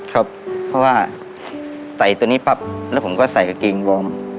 ครับเพราะว่าใส่ตัวนี้ปั๊บแล้วผมก็ใส่กางเกงวอร์ม